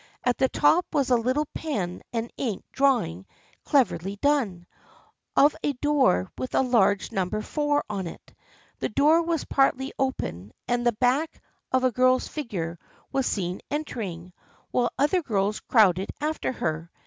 At the top was a little pen and ink drawing cleverly done, of a door with a large " Number 4 " on it. The door was partly open and the back of a girl's figure was seen entering, while other girls crowded after her.